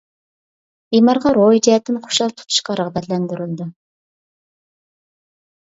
بىمارغا روھى جەھەتتىن خۇشال تۇتۇشقا رىغبەتلەندۈرۈلىدۇ.